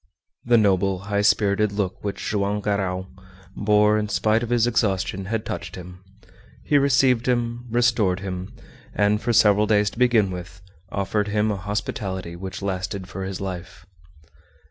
The noble, high spirited look which Joam Garral bore in spite of his exhaustion had touched him. He received him, restored him, and, for several days to begin with, offered him a hospitality which lasted for his life.